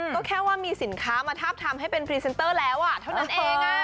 ก็แค่ว่ามีสินค้ามาทาบทำให้เป็นพรีเซนเตอร์แล้วเท่านั้นเอง